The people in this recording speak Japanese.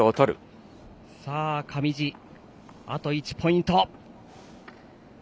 上地、あと１ポイント。